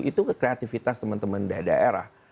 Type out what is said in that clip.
itu kekreatifitas teman teman dari daerah